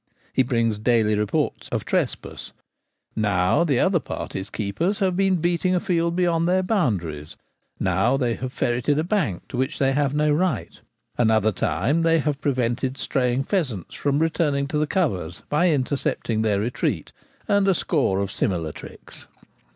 He brings daily reports of trespass. Now the other party's keepers have been beating a field beyond 208 The Gamekeeper at Home. their boundaries ; now they have ferreted a bank to which they have no right. Another time they have prevented straying pheasants from returning to the covers by intercepting their retreat ; and a score of similar tricks.